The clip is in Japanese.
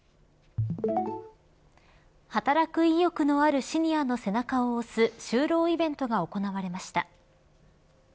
働く意欲のあるシニアの背中を押す就労イベントが行われました。